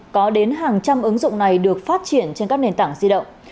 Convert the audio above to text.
có đến hàng trăm ứng dụng này được phát triển trên các nền tảng di động